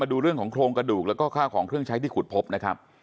ดูเรื่องของโครงกระดูกแล้วก็ข้าวของเครื่องใช้ที่ขุดพบนะครับ